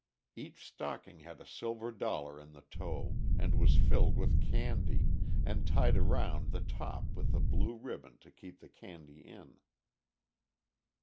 Each stocking had a silver dollar in the toe, and was filled with candy, and tied around the top with a blue ribbon to keep the candy in.